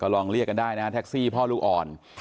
ลองเรียกกันได้นะแท็กซี่พ่อลูกอ่อน